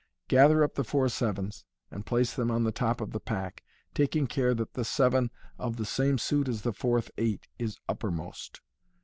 Gather up the four sevens, and place them on the top of the pack, taking care that the seven of tht same suit as the fourth eight is uppermost.